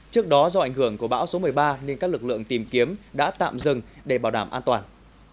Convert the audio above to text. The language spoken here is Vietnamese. trước đó do ảnh hưởng của bão số một mươi ba nên các lực lượng tìm kiếm đã tạm dừng để bảo đảm an toàn